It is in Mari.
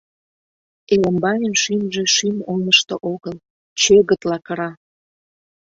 Элымбайын шӱмжӧ шӱм олмышто огыл, чӧгытла кыра.